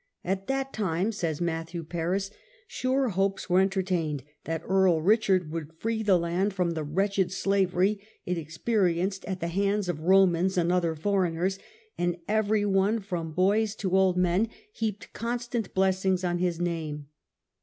" At that time", says MattI 'v Paris, "sure hopes were enter tained that Earl Richard would free the land from the wretched slavery it experienced at the hands of Romans and other foreigners; and every one, from boys to old men, heaped constant blessings on his name."